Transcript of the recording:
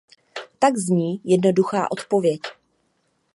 Tak zní jednoduchá odpověď.